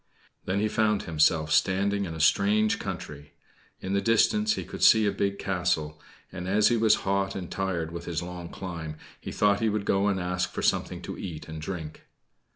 Then he found himself standing in a strange country. In the distance he could see a big castle; and, as he was hot and tired with his long climb, he thought he would go and ask for something to eat and drink.